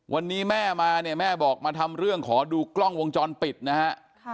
วันนี้แม่มาเนี่ยแม่บอกมาทำเรื่องขอดูกล้องวงจรปิดนะฮะ